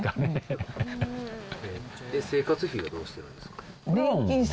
生活費はどうしてるんですか？